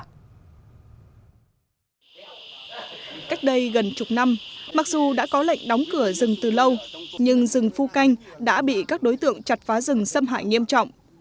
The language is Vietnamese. cách đây gần chục năm mặc dù đã có lệnh đóng cửa rừng từ lâu nhưng rừng phu canh đã bị các đối tượng chặt phá rừng xâm hại nghiêm trọng